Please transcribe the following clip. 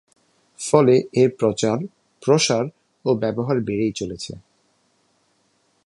ফলে এর প্রচার, প্রসার ও ব্যবহার বেড়েই চলেছে।